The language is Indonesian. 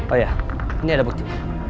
oh ya ini ada bukti